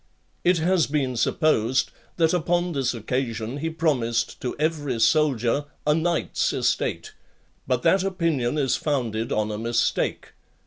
It has been supposed, that upon this occasion he promised to every soldier a knight's estate; but that opinion is founded on a mistake.